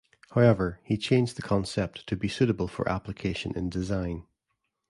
However, he changed the concept to be suitable for application in design.